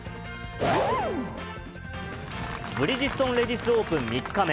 ブリヂストンレディスオープン３日目。